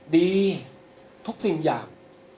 ดีทุกสิ่งอย่าง